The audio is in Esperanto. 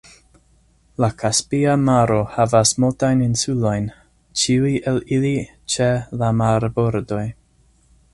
La Kaspia Maro havas multajn insulojn, ĉiuj el ili ĉe la marbordoj.